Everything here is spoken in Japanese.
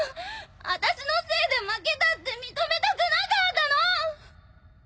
あたしのせいで負けたって認めたくなかったの！